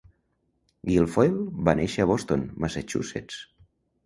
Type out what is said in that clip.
Guilfoyle va néixer a Boston, Massachusetts.